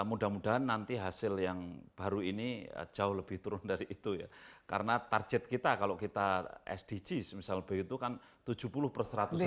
mudah mudahan nanti hasil yang baru ini jauh lebih turun dari itu ya karena target kita kalau kita sdgs misal begitu kan tujuh puluh per seratus juta